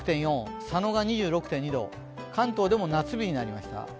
佐野が２６．２度関東でも夏日になりました。